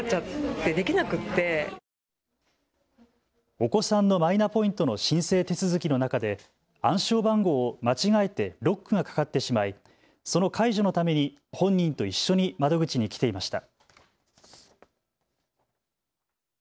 お子さんのマイナポイントの申請手続きの中で暗証番号を間違えてロックがかかってしまいその解除のために本人と一緒に窓口に来ていました。